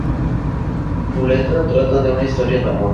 Su letra trata de una historia de amor.